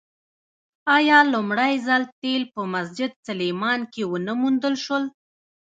آیا لومړی ځل تیل په مسجد سلیمان کې ونه موندل شول؟